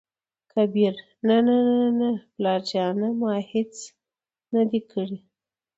کبير : نه نه نه پلاره جانه ! ما هېڅ نه دى کړي.